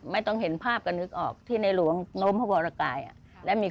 ไม่ต้องเห็นภาพก็นึกออกที่ในหลวงโน้มพระวรกาย